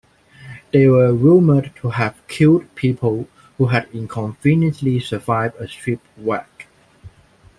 They were rumored to have killed people who had inconveniently survived a shipwreck.